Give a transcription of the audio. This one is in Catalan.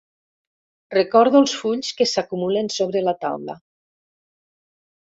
Recordo els fulls que s'acumulen sobre la taula.